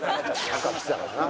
赤着てたからな。